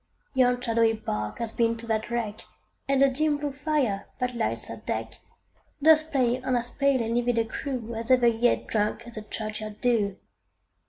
Yon shadowy bark hath been to that wreck, And the dim blue fire, that lights her deck, Doth play on as pale and livid a crew, As ever yet drank the churchyard dew.